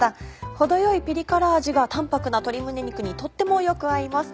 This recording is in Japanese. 程よいピリ辛味が淡泊な鶏胸肉にとってもよく合います。